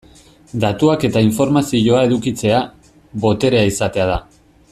Datuak eta informazioa edukitzea, boterea izatea da.